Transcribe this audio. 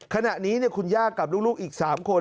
ขณะนี้คุณย่ากับลูกอีก๓คน